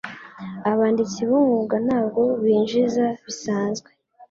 Abanditsi b'umwuga ntabwo binjiza bisanzwe.